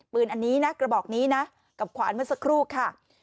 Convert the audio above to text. อันนี้นะกระบอกนี้นะกับขวานเมื่อสักครู่ค่ะ